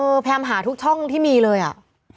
เออแพมหาทุกช่องที่มีเลยอะ